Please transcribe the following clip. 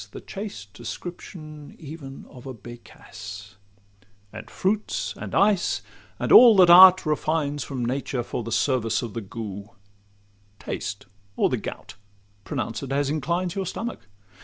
The chaste description even of a 'becasse;' And fruits, and ice, and all that art refines From nature for the service of the gout— Taste or the gout,—pronounce it as inclines Your stomach!